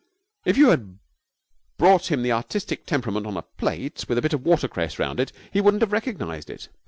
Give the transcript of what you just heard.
If you had brought him the artistic temperament on a plate with a bit of watercress round it, he wouldn't have recognized it.